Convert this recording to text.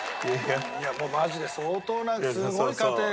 マジで相当なすごい家庭が。